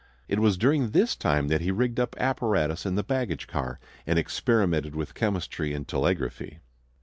It was during this time that he rigged up apparatus in the baggage car and experimented with chemistry and telegraphy.